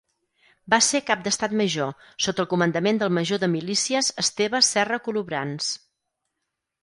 Va ser Cap d'Estat Major, sota el comandament del major de milícies Esteve Serra Colobrans.